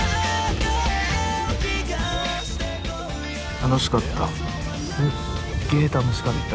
楽しかったすっげぇ楽しかった。